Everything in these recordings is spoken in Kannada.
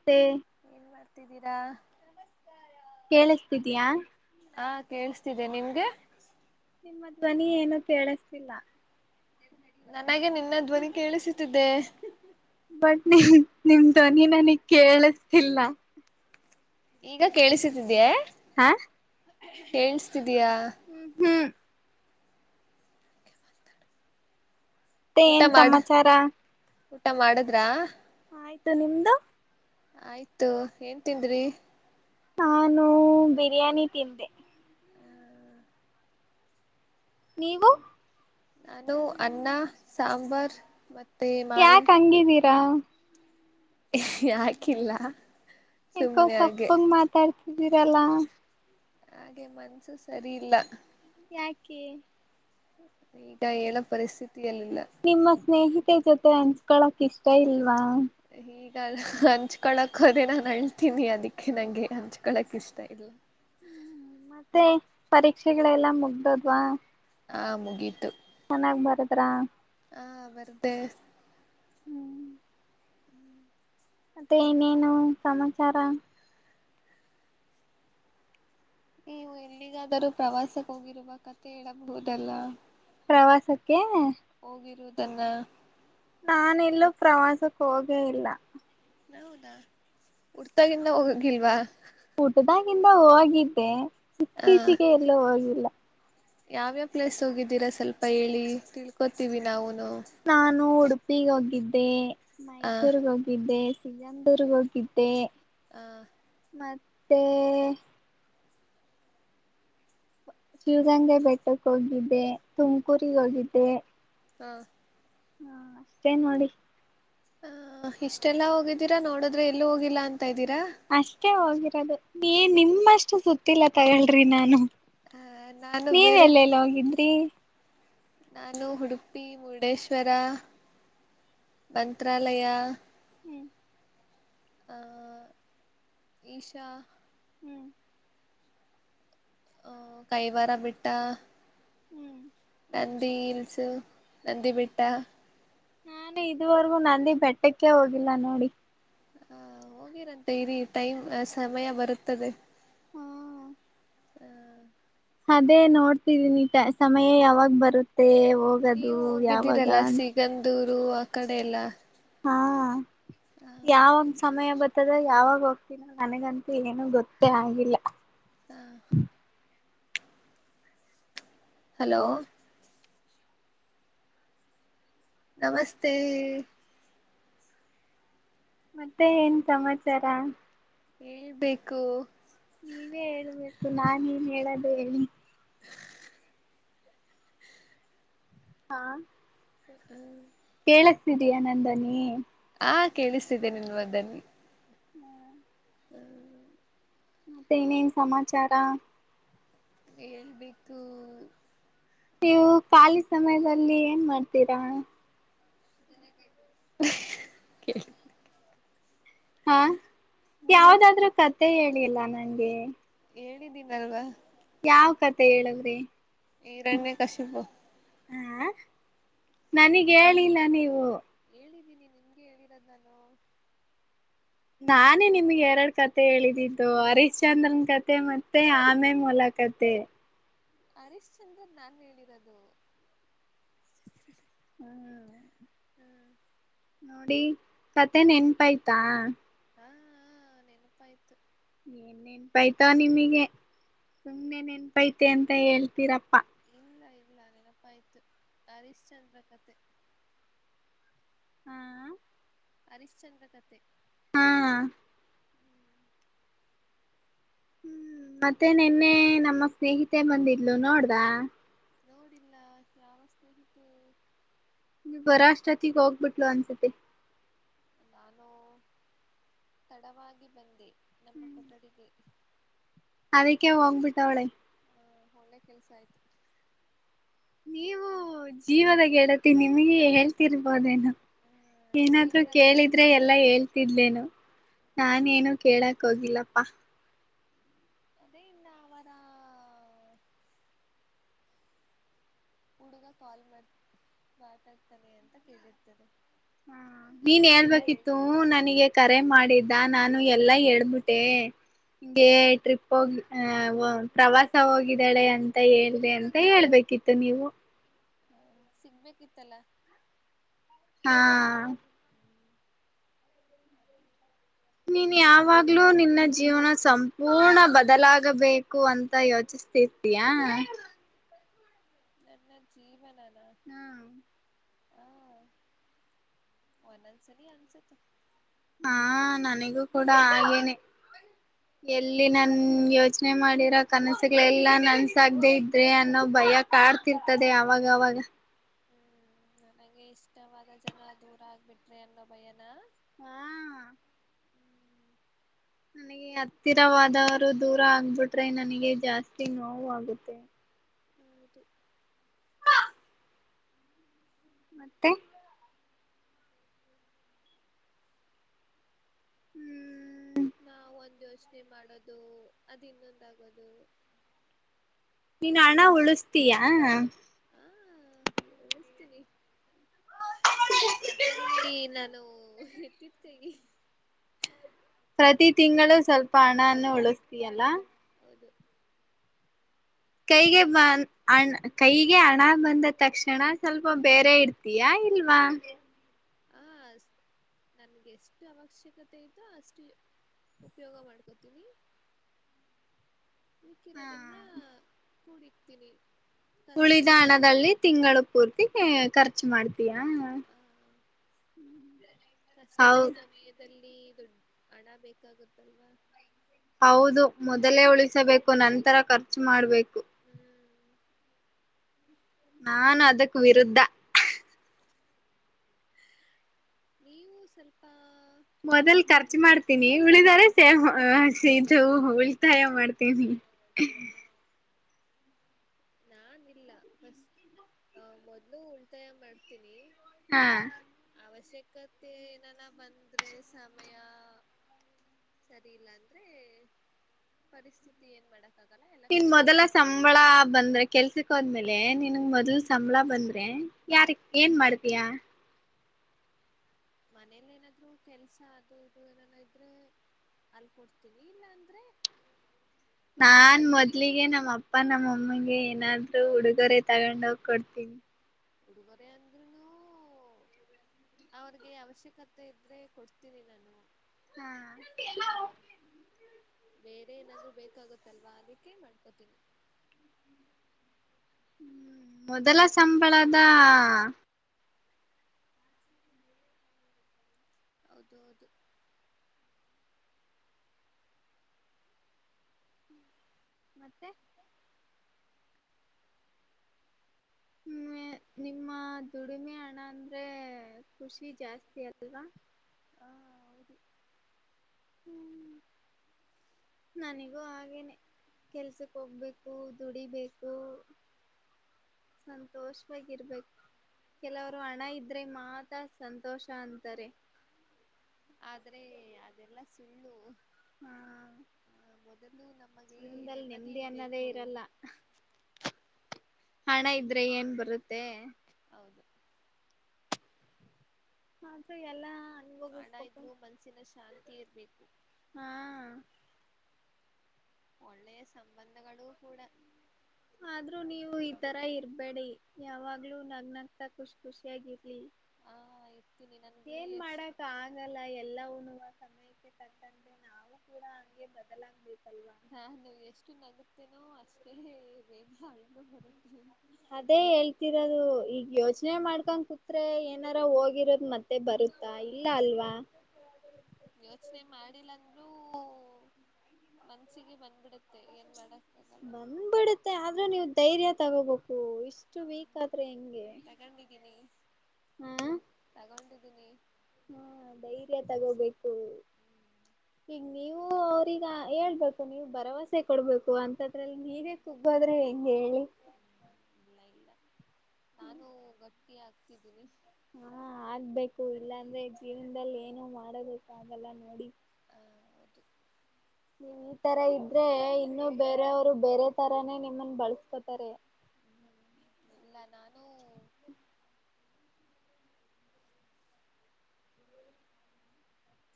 ಮತ್ತೆ ಏನ್ ಮಾಡ್ತಿದ್ದೀರಾ. ಕೇಳಿಸ್ತಿದಿಯಾ. ಕೇಳ್ಸ್ತಿದೆ ನಿಮ್ಗೆ. ನಿಮ್ಮ ಧ್ವನಿ ಏನು ಕೇಳಸ್ತ ಸ್ತಿಲ್ಲಾ ನನಗೆ ನಿನ್ನ ಧ್ವನಿ ಕೇಳಿಸುತ್ತಿದ್ದೆ. ಬಟ್ ನಿಂ ನಿಮ್ದ ನೀ ನನಿಗ್ ಕೇಳಿಸ್ತಿಲ್ಲ. ಈಗ ಕೇಳಿಸಿತ್ತಿದೆಯೇ. ಹಾ ಕೇಳ್ಸ್ತಿದ್ ಉಹೂಂ. ತ್ತೆ ಊಟ ಏನ್ ಮಾಡ ಸಮಾಚಾರ. ಊಟ ಮಾಡದ್ರಾ. ಆಯ್ತು ನಿಮ್ದು. ಆಯ್ತು ಏನ್ ತಿಂದ್ರಿ. ನಾನು ಬಿರಿಯಾನಿ ತಿಂದೆ. ನೀವು. ನಾನು ಅನ್ನ ಸಾಂಬಾರ್ ಮ ಯಾಕ್ ಹಂಗಿದೀರಾ. ಯಾಕಿಲ್ಲ. ಏಕೋ ಸುಮ್ನೆ ಹಾಗೆ ಸಪ್ಪಗ್ ಮಾತಾಡ್ ಡ್ತಿದಿರಲ್ಲ. ಹಾಗೆ ಮನ್ಸು ಸರಿ ಇಲ್ಲ. ಯಾಕೆ. ಈಗಾ ಹೇಳೋ ಪರಿಸ್ಥಿತ್ ನಿಮ್ಮ ಸ್ನೇಹಿತೆ ಜೊತ್ ತೆ ಹಂಚ್ಕೊಳಕ್ ಇಷ್ಟ ಇಲ್ವಾ. ಈಗ ಅಲ್ ಹಂಚ್ಕೊಳಕ್ ಹೋದ್ರೆ ನಾನ್ ಅಳ್ತೀನಿ ಅದಿಕ್ಕೆ ನಂಗೆ ಹಂಚ್ಕೊಳಕ್ ಇಷ್ಟ ಇಲ್ಲ. ಹ್ಮ್ ಮತ್ತೆ ಪರೀಕ್ಷೆಗಳೆಲ್ಲ ಮುಗ್ದೋದ್ವಾ. ಆ ಮುಗೀತು. ಚೆನ್ನಾಗ್ ಬರದ್ರಾ. ಹಾ ಬರ್ದೇ. ಹ್ಮ್ ಮತ್ತೆ ಇನ್ನೇನು ಸಮಾಚಾರ. ನೀವು ಎಲ್ಲಿಗಾದರೂ ಪ್ರವಾಸಕ್ಕೋಗಿರುವ ಕಥೆ ಹೇಳಬಹುದಲ್ಲ. ಪ್ರವಾಸಕ್ಕೆ ದನ್ನ ನಾನೆಲ್ಲೂ ಪ್ರವಾಸಕ್ ಹೋಗೇ ಇಲ್ಲ. ಹೌದಾ ಹುಟ್ತಾಗಿಂದ ಹೋಗಂಗಿಲ್ವಾ. ಇಲ್ಲಾ ಓಗಿದ್ದೆ. ಇತ್ತೀಚಿಗೆ ಎಲ್ಲೂ ಓಗಿಲ್ಲ. ಯಾವ್ಯಾವ್ ಪ್ಲೇಸ್ ಹೋಗಿದ್ದೀರಾ ಸ್ವಲ್ಪ ಹೇಳಿ ತಿಳ್ಕೋತೀವಿ ನಾವುನ್ ನಾನು ಉಡು ಪೀಗ್ ಹೋಗಿದ್ದೆ. ಆ ಮೈಸೂರ್ಗ್ ಹೋಗಿದ್ದೆ. ಸಿಗಂದೂರ್ಗ್ ಹೋಗಿದ್ದೆ. ಹಾ. ಮತ್ತೆ ಶಿವಗಂಗೆ ಬೆಟ್ಟಕ್ಕೆ ಹೋಗಿದ್ದೆ ತುಮಕೂರಿಗ ಹೋಗಿದ್ದೆ. ಹಾ. ಹಾ ಅಷ್ಟೇ ನೋಡಿ. ಹ ಇಷ್ಟೆಲ್ಲಾ ಹೋಗಿದ್ದೀರಾ ನೋಡದ್ರೆ ಎಲ್ಲೂ ಹೋಗಿಲ್ಲಾ ಅಂತ್ ತಾ ಇದ್ದೀರಾ. ಟೆ ಹೋಗಿರೋದು ನೀ ನಿಮ್ಮಷ್ಟು ಸುತ್ತಿಲ್ಲ ತಗಳ್ರಿ ನಾನು. ಆ ನಾನು ನೀವ ಬೇರೆ ಎಲ್ಲಲ್ ಹೋಗಿದ್ರಿ. ನಾನು ಉಡುಪಿ, ಮುರುಡೇಶ್ವರ, ಮಂತ್ರಾಲಯ. ಹ್ಮ್. ಆ ಈಶಾ ಹ್ಮ್ ಅ ಕೈವಾರ ಬೆಟ್ಟಾ. ಹ್ಮ್. ನಂದಿ ಹಿಲ್ಸ್ ನಂದಿ ಬೆಟ್ಟ. ನಾನು ಇದುವರೆಗೂ ನಂದಿ ಬೆಟ್ಟಕ್ಕೆ ಹೋಗಿಲ್ಲ ನೋಡಿ. ಹಾ ಹೋಗಿರಂತೆ ಇರಿ ಟೈಮ್ ಸಮಯ ಬರುತ್ತದೆ. ಹಾ. ಹ. ಅದೇ ನೋಡ್ತಿದೀನಿ ಟ ಸಮಯ ಯಾವಾಗ ಬರುತ್ತೆ. ಹೋಗದು ನೀವು ಯಾವಾಗ ಹೋಗಿದ್ದೀರಲ್ಲ ಅಂತ ಸಿಗಂದೂರ್ ರು ಆ ಕಡೆ ಎಲ್ಲ. ಹಾ. ಯಾವ ಒಂದ್ ಸಮಯ ಬತ್ ತದ್ದೋ ಯಾವಾಗ ಹೋಗ್ತೀನೋ ನನಗಂತೂ ಏನೂ ಗೊತ್ತೇ ಆಗಿಲ್ಲ. ಹಾ. ಹಲೋ. ನಮಸ್ತೆ. ಮತ್ತೆ ಏನ್ ಸಮಾಚಾರ. ಹೇಳ್ಬೇಕು. ನೀವೇ ಹೇಳ್ಬೇಕು ನಾನ ಎನ್ ಹೇಳದ. ಎಲ್ಲಿ. ಹಾ. ಹಹ್ಮ್ [inaudible] ಕೇಳಿಸ್ತಾ ಇದ್ದೀಯಾ, ನನ್ ಧ್ವನಿ. ಕೇಳಿಸ್ತಿದ್ದೇ ನಿನ್ ಒಧ್ವನಿ. [inaudible] ಹ್. ಮತ್ತೆ ಇನೇನ್ ಸಮಾಚಾರ. ಹೇಳ್ಬೇಕು. ನೀವು ಖಾಲಿ ಸಮಯದಲ್ಲಿ ಏನ್ ಮಾಡ್ತೀರ. [unintelligible] ಹಾ. ಯಾವ್ದಾದ್ರೂ ಕತೆ ಹೇಳಿಲ್ಲ ನಂಗೆ. ಹೇಳಿದ್ದೀನಲ್ವಾ. ಯಾವ ಕಥೆ ಹೇಳದ್ರಿ ಈರಣ್ಯ ಹ. ನನ್ಗೆ ಹೇಳಿಲ್ಲಾ ಹೇಳಿದ್ದೀನಿ. ನಿಮ್ಗೆ ಹೇಳಿರೋದ ನಾನು. [inaudible] ನಾನೇ ನಿಮ್ಗೆ ಎರಡು ಕಥೆ ಹೇಳಿದಿದ್ದು ನೀವು ಹರಿಶ್ಚಂದ್ರನ್ ಕಥೆ ಮತ್ತೆ ಆಮೆ ಮೊಲ ಕಥೆ. ಹರೀಶ್ಚಂದ್ರನ್ ನನ್ ಹೇಳಿರೋದು. [inaudible] ಹ್ಮ್. ನೋಡಿ ಕಥೆ ನೆನಪು ಆಯ್ತಾ. ಹ ಹಾ ನೆನಪ ಆಯ್ತು. [inaudible] ಬೈತಾ ನಿಮಗೆ ಏನ್ ನೆನಪೈತೆ ನಿಮಗೆ ಸುಮ್ನೆ ನೆನಪಾತೆ ಅಂತ ಹೇಳ್ತೀರಪ್ಪಾ. ಇಲ್ಲ ಇಲ್ಲ ನೆನಪ ಆಯ್ತು ಹರಿಶ್ಚಂದ್ರ ಕಥೆ. ಹಾ. ಹರಿಶ್ಚಂದ್ರ ಕಥೆ. ಹಾ. ಮತ್ತೆ ನೆನ್ನೆ ನಮ್ಮ ಸ್ನೇಹಿತೆ ಬಂದಿದ್ಲು ನೋಡ್ದ. ನೋಡಿಲ್ಲ ಯಾವ ಸ್ನೇಹಿತರು. [inaudible] ನೀವ್ ಬರೋ ಅಷ್ಟೊತ್ತಿಗೆ ಹೋಗ್ಬಿಟ್ಲು ಅನ್ಸುತ್ತೆ. ನಾನು ತಡವಾಗಿ ಬಂದೆ. [inaudible] ನಮ್ಮ. [unintelligible] ಅದಕ್ಕೆ ಹೋಗ್ಬಿಟ್ಟವ್ಳೆ. ಹ್ಮ್ ಒಳ್ಳೆ ಕೆಲ್ಸ ಆಯ್ತು. [inaudible] ನೀವು ಜೀವದ ಗೆಳತಿ ನಿಮಗೆ ಹೇಳ್ತಿರ್ಬೋದೇನೊ. ಹ ಏನಾದೂ ಜೀವನ ಗೆಳತಿ ಕೇಳಿದ್ರೆ ಎಲ್ಲಾ ಹೇಳ್ತಿದ್ಲೇನು ನಾನ ಏನು ಕೇಳಲ್ಲ. ಹೋಗಿಲ್ಲಪ್ಪಾ. [unintelligible] ಇಲ್ಲ ಅವರಾ. ಹುಡುಗ ಕಾಲ್ ಮಾಡ ಮಾತಾಡ್ತಾನೆ ಅಂತ ಕೇಳಿರ್ತದೆ. ಹ ನೀನ್ ಹೇಳ್ಬೇಕಿತ್ತು ಅಷ್ಟೆ ನನಗೆ ಕರೆ ಮಾಡಿದ್ದ ನಾನು. ಎಲ್ಲಾ ಎಡ್ಬಿಟ್ಟೆ. ಹಿಂಗೆ ಟ್ರಿಪ್ ಹೋಗಿ ಪ್ರವಾಸ ಹೋಗಿದ್ದಾಳೆ ಅಂತ ಹೇಳಿ. [unintelligible] ಹೇಳ್ಬೇಕಿತ್ತು ನೀವು. ಸಿಗ್ಬೇಕಿತ್ತಲ್ಲ. ಹಾ. ನೀನ್ ಯಾವಾಗ್ಲೂ ನಿನ್ನ ಜೀವನ ಸಂಪೂರ್ಣ ಬದಲಾಗಬೇಕು ಅಂತ ಯೋಚಿಸತಿರ್ತೀಯ. ನನ್ನ ಜೀವನ. ಹ್ಮ್. ಹಾ ಒಂದೊಂದು ಸಲ ಅನ್ಸುತ್ತೆ. ಹಾ ನನಗೂ ಕೂಡ ಹಾಗೇನೆ ಎಲ್ಲಿ ನನ್ ಯೋಚನೆ ಮಾಡಿರೋ ಕನಸುಗಳೆಲ್ಲಾ ನನ್ಸ ಆಾಗದೆೇ ಇದ್ರೆ ಅನ್ನೋ ಭಯ ಕಾಡ್ತಿರ್ತದೆ ಅವಾಗವಾಗ. ಹ್ಮ್ ನನಗೆ ಇಷ್ಟವಾದ ಜನ ದೂರ ಆಗ್ಬಿಟ್ರಿ ಅನ್ನೋ ಭಯನ. ಹಾ. ನನಗೆ ಹತ್ತಿರವಾದವರು ದೂರ ಆಗ್ಬಿಟ್ರೆ ನನಗೆ ಜಾಸ್ತಿ ನೋವು ಆಗುತ್ತೆ. [inaudible] ಮತ್ತೆ. ಹ್ಮ್. ನಾವ ಒಂದ್ ಯೋಚನೆ ಮಾಡೋದು ಅದು ಇನ್ನೊಂದಾಗೋದು. ನೀನ್ ಹಣ ಉಳಿಸತೀಯಾ. ಹಾ ಉಳಿಸ್ತೀನಿ. ಅದ್ರಲ್ಲಿ ನಾನು. ಎತ್ತಿದ ಕೈ. ಪ್ರತಿ ತಿಂಗಳು ಸ್ವಲ್ಪ ಹಣನ್ನ ಉಳಸ್ತಿಯಲ್ಲ. ಹೌದು. ಕೈಗೆ ಬಂದ ಹಣ ಕೈಗೆ ಹಣ ಬಂದ ತಕ್ಷಣ ಸ್ವಲ್ಪ ಬೇರೆ ಇಡ್ತೀಯಾ ಇಲ್ವಾ. ಹ ನನ್ಗೆ ಎಷ್ಟು ಅವಶ್ಯಕತೆ ಇತೋ ಅಷ್ಟು ಉಪಯೋಗ ಮಾಡ್ಕೋತೀನಿ. ಮಿಕ್ಕಿರದನ್ನ. ಹಾ ಕೂಡಿಡ್ತೀನಿ. ಉಳಿದ ಕಷ್ಟದ ಹಣದಲ್ಲಿ ತಿಂಗಳು ಪೂರ್ತಿ. ಖರ್ಚು ಮಾಡ್ತೀಯಾ. ಆ ಹೌ ಕಷ್ಟದ ಸಮಯದಲ್ಲಿ. ದುಡ್ ಹಣ ಬೇಕಾಗತ್ತಲ್ವಾ. ಹೌದು ಮೊದಲೇ ಉಳಿಸಬೇಕು ನಂತರ ಖರ್ಚು ಮಾಡ್ಬೇಕು. ಹ್ಮ್ ನಾನು ಅದಕ್ಕೂ ವಿರುದ್ಧ. ನೀವು ಸ್ವಲ್ಪ. ಮೊದಲ್ ಖರ್ಚು ಮಾಡ್ತೀನಿ ಉಳಿದಾರೆ ಸೇ ಇದು ಉ ಸಹಾಯ ಮಾಡ್ತೀನಿ. ನಾನ ಇಲ್ಲಸ್ ಮೊದ್ಲು ಉಲ್ತಾಯ ಮಾಡ್ತೀನಿ. ಹಾ. ಅವಶ್ಯಕತೆ ಏನಾನ ಬಂದ್ರೆ ಸಮಯ ಸರಿ ಇಲ್ಲ ಅಂದ್ರೆ. ಪರಿಸ್ಥಿತಿ ಏನ್ ಮಾಡಡ ಇನ್ ಮೊದಲ ಸಂಬಳ ಬಂದ್ರೆ ಕೆಲ್ಸ ದ್ಮೇಲೆ ನಿನ್ಗ್ ಮೊದ್ಲ್ ಸಂಬಳ ಬಂದ್ರೆ ಹಾ ಯಾರ್ ಏನ್ ಮಾಡ್ತಯಾ. ಮನೇಲಿ ಏನಾದ್ರು ಕೆಲ್ಸ ಅದು ಇದು ಏನನ ಇದ್ರೆ ಅಲ್ ಕೊಡ್ತೀನಿ ಇಲ್ಲ ಅಂದ್ರೆ. ನಾನ್ ಮೊದ್ಲಿಗೆ ನಮ್ಮ ಅಪ್ಪ ನಮ್ಮಮ್ಮಗೆ. ಏನಾದ್ರು ಉಡುಗೊರೆ ತಗೊಂಡೋಗ್ ಕೊಡ್ತೀನಿ. ಉಡುಗೊರೆ ಅಂದ್ರು ಅವ್ರಿಗೆ ಅವಶ್ಯಕತೆ ಇದ್ರೆ ಕೊಡ್ತೀನಿ ನಾನು. ಹಾ. ಹ ಬೇರೆ ಏನಾದ್ರು ಬೇಕಾಗತ್ತಲ್ವಾ ಅದಕ್ಕೆೇ ಮಾಡ್ಕೋತೀನಿ. ಹ್ಮ್ ಮೊದಲ ಸಂಬಳದ. ಹೌದೌದು. ಹ್ಮ್. ಮತ್ತೆ. ಹ್ಮ ನಿಮ್ಮ ದುಡಿಮೆ ಹಣ ಅಂದ್ರೆ ಖುಷಿ ಜಾಸ್ತಿ ಅಲ್ವಾ. ಹ ಹೌದು ಹ್ಮ್. ನನಿಗೂ ಹಾಗೇನೆ ಕೆಲ್ಸಕ್ ಹೋಗ್ಬೇಕು ದುಡಿಬೇಕು ಸಂತೋಷವಾಗಿರ್ಬೇಕು ಕೆಲವರು ಹಣ ಇದ್ರೆ ಮಾತ್ರ ಸಂತೋಷ ಅಂತಾರೆ. ಆದ್ರೆ ಅದೆಲ್ಲ ಸು ಹಾ ಮೊದಲು ನಮಗೆ ಜೀವನದಲ್ಲಿ ನೆಮ್ಮದಿ ಅನ್ನೋದೇ ಇರಬೇಕು ಇರಲ್ಲ. ಹಣ ಇದ್ರೆ ಏನ್ ಬರುತ್ತೆ. ಹೌದು. ಆದ್ರೂ ಎಲ್ಲಾ. ಹಣ ಇದ್ರು ಮನಸ್ಸಿನ ಶಾಂತಿ ಇರಬೇಕು ಹಾ. ಒಳ್ಳೆಯ ಸಂಬಂಧಗಳು ಕೂಡ. ಆದ್ರೂ ನೀವು ಈ ತರ ಇರ್ಬೇಡಿ ಯಾವಾಗ್ಲೂ ನಗ್ ನಗ್ತಾ ಖುಷಿ ಖುಷಿಯಾಗಿರಿ. ಹಾ ಇರ್ತೀನಿ ನನ್ಗೆ ಏನ್ ಎಷ್ಟು ಮಾಡಕ ಆಗಲ್ಲ ಎಲ್ಲವುಣುವ. ಸಮಯಕ್ಕೆೆ ತಕ್ಕಂತೆ ನಾವು ಕೂಡ ಹಂಗೆ ಬದಲಾಗ್ಬೇಕಲ್ಲ. ನಾ ಎಷ್ಟು ನಗತ್ತೇನೋ ಅಷ್ಟೇ ಬೇಗ. ಬರುತ್ತೆ ಅದೇ ಹೇಳ್ತಿರೋದು ಈಗ ಯೋಚನೆ ಮಾಡ್ಕೊಂಡ್ ಕೂತ್ರೆ ಏನಾರ ಹೋಗಿರೋದ ಮತ್ತೆ ಬರುತ್ತಾ ಇಲ್ಲ ಅಲ್ವಾ. ಮಾಡಿಲ್ಲಂದ್ರೂ. ಮ್ಯಾನ್ಸಿಗೆ ಬಂದ್ಬಿಡುತ್ತೆ ಏನ್ ಮಾಡದು. ಬಂದ್ಬಡತ್ತೆ ಆದ್ರೂ ನೀವ್ ಧೈರ್ಯ ತಗೋಬೇಕು ಇಸ್ಟ್. ಎಷ್ಟು ಹ ವೀಕ್ ಆದ್ರೆ ಹೆಂಗೆ. ತಗೊಂಡಿದ್ದ [inaudible] ಹ್ಮ ಧೈರ್ಯ ತಗೋಬೇಕು ಈಗ ನೀವು ಅವ್ರಗ ಹೇಳ್ಬೇಕು ನೀವು ಭರವಸೆ ಕೊಡ್ಬೇಕು ಅಂತದ್ರಲ್ಲಿ ನೀವೇ ಕುುಗ್ಗದ್ರೆ ಹೆಂಗ ಹೇಳಿ ಇಲ್ಲ ಇಲ್ಲ ನಾನು ಗಟ್ಟಿ ಆ ತಿದ್ದೀನಿ ಹಾ ಆಗ್ಬೇಕು ಇಲ್ಲಾ ಅಂದ್ರೆ ಜೀವನದಲ್ಲಿ ಏನ ಮಾಡೋಕೆ ಆಗಲ್ಲ ನೋಡಿ ಆ ಹೌದು ನೀನ್ ಈ ತರ ಇದ್ರೆ ಇನ್ನು ಬೇರೆಯವರು ಬೇರೆ ತರಾನೇ ನಿಮ್ಮನ್ ಬಳಸ್ಕೊತಾರೆ ಇಲ್ಲ ನಾನು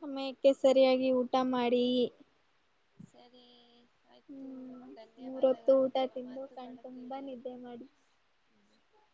ಸಮಯಕ್ಕೆ ಸರಿಯಾಗಿ ಊಟ ಮಾಡಿ ಸರಿ ಆಯ್ತು ಹ್ಮ್ ಮೂರೊತ್ತು ಧನ್ಯವಾದಗಳು ಊಟ ನಿಮ್ಮ ತಿಂದು ಕಣ್ ಮಾತುಗಳು ತುಂಬಾ ಕೇಳಿ ನಿದ್ದೆ ಮಾಡಿ ಹ್ಮ